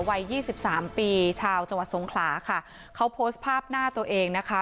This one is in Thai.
วัย๒๓ปีชาวจังหวัดทรงคลาค่ะเขาโพสต์ภาพหน้าตัวเองนะคะ